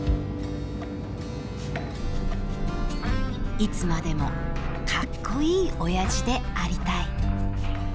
いつまでもかっこいいオヤジでありたい。